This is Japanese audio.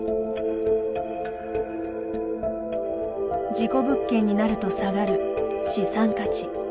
事故物件になると下がる資産価値。